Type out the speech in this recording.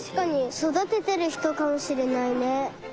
そだててるひとかもしれないね。